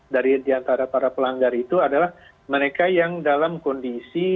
dari diantara para pelanggar itu adalah mereka yang dalam kondisi yang tidak setuju